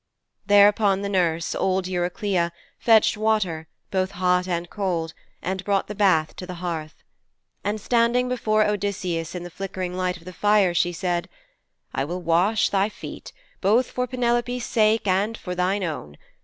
Thereupon the nurse, old Eurycleia, fetched water, both hot and cold, and brought the bath to the hearth. And standing before Odysseus in the flickering light of the fire, she said, 'I will wash thy feet, both for Penelope's sake and for thine own.